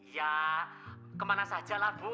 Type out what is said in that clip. ya kemana sajalah bu